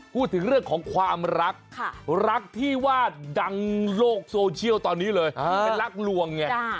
พูดถึงเรื่องของความรักรักที่ว่าดังโลกโซเชียลตอนนี้เลยเป็นรักลวงไง